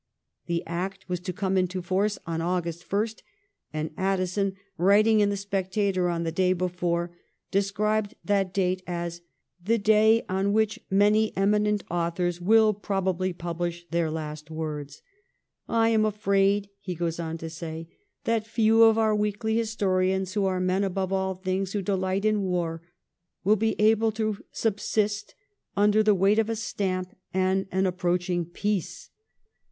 The Act was to come into force on August 1, and Addison, writing in ' The Spectator ' on the day before, described that date as *the day on which many eminent authors will probably publish their last words/ * I am afraid,' he goes on to say, ' that few of our weekly historians, who are men above all others who delight in war, will be able to subsist under the weight of a stamp and an approaching peace.